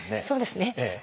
そうですね。